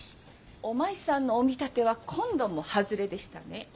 お前さんのお見立ては今度も外れでしたね。